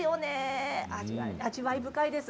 味わい深いです。